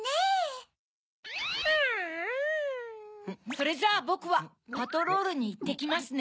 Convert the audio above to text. それじゃあぼくはパトロールにいってきますね。